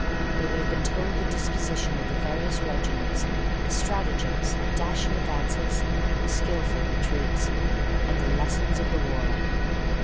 They would have been told the disposition of the various regiments, the stratagems, the dashing advances, the skilful retreats, and the Lessons of the War.